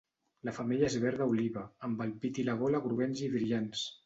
La femella és verda oliva, amb el pit i la gola groguencs i brillants.